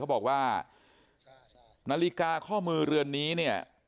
นาฬิกาข้อมือเรือนนี้